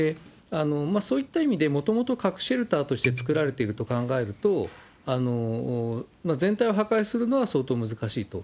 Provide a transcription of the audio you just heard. そういった意味で、もともと核シェルターとして造られていると考えると、全体を破壊するのは相当難しいと。